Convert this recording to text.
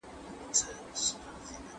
مرګ د اعمالو د همېشهلو پیل دی.